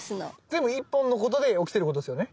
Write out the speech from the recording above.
全部１本のことで起きてることですよね？